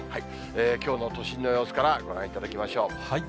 きょうの都心の様子からご覧いただきましょう。